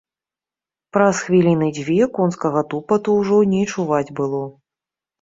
Праз хвіліны дзве конскага тупату ўжо не чуваць было.